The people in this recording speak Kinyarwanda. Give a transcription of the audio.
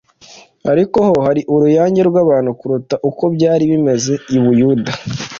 ariko ho hari uruyange rw'abantu kuruta uko byari bimeze i Buyuda,